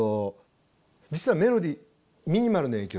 実はメロディーミニマルの影響